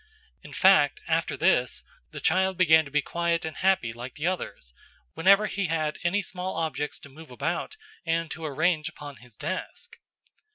In fact, after this the child began to be quiet and happy like the others whenever he had any small objects to move about and to arrange upon his desk.